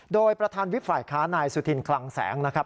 โดยประธานวิบฝ่ายค้านายสุธินคลังแสงนะครับ